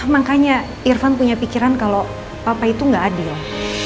makanya irfan punya pikiran kalau papa itu nggak adil